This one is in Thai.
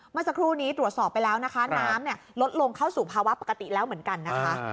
เมื่อสักครู่นี้ตรวจสอบไปแล้วนะคะน้ำลดลงเข้าสู่ภาวะปกติแล้วเหมือนกันนะคะ